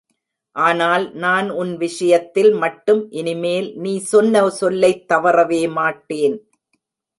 ஆனால், நான் உன் விஷயத்தில் மட்டும் இனிமேல் நீ சொன்ன சொல்லைத் தவறவே மாட்டேன்.